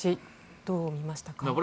どう見ましたか？